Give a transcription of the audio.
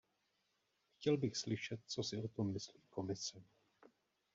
Chtěl bych slyšet, co si o tom myslí Komise.